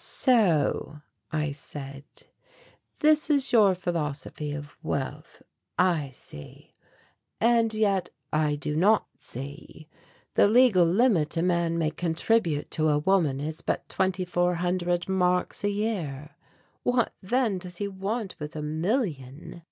"So," I said, "this is your philosophy of wealth. I see, and yet I do not see. The legal limit a man may contribute to a woman is but twenty four hundred marks a year, what then does he want with a million?"